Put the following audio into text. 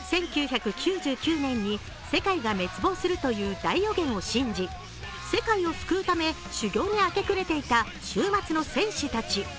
１９９９年に世界が滅亡するという大予言を信じ、世界を救うため、修行に明け暮れていた終末の戦士たち。